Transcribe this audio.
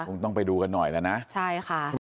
คงต้องไปดูกันหน่อยนะ